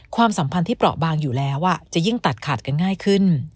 ความสัมพันธ์ที่เปราะบางอยู่แล้วจะยิ่งตัดขาดกันง่ายขึ้น